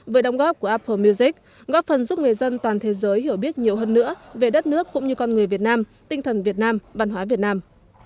với đồng góp của apple music góp phần giúp người dân toàn thế giới hiểu biết nhiều hơn nữa về đất nước cũng như con người việt nam tinh thần việt nam văn hóa việt nam